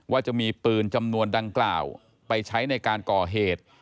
ว่าจะมีปืนจำนวนดังกล่าวไปใช้ในการก่อเหตุ